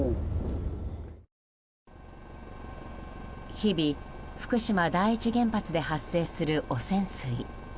日々、福島第一原発で発生する汚染水。